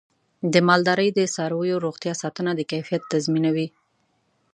د مالدارۍ د څارویو روغتیا ساتنه د کیفیت تضمینوي.